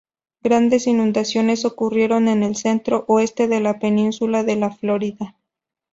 Grandes inundaciones ocurrieron en el centro-oeste de la península de la Florida.